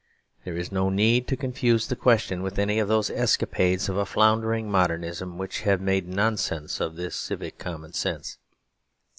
There is no need to confuse the question with any of those escapades of a floundering modernism which have made nonsense of this civic common sense.